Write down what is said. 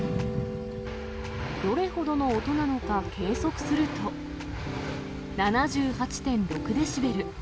どれほどの音なのか計測すると、７８．６デシベル。